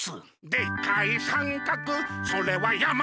「でっかい三角、それは山！」